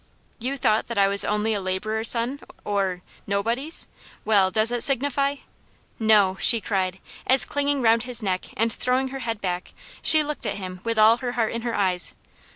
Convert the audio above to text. "You thought that I was only a labourer's son: or nobody's. Well, does it signify?" "No," she cried, as, clinging round his neck and throwing her head back, she looked at him with all her heart in her eyes.